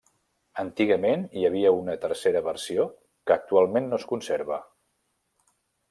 Antigament hi havia una tercera versió que actualment no es conserva.